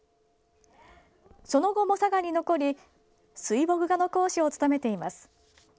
その後も佐賀に残り水墨画の講師を務めています。